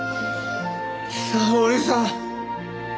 沙織さん。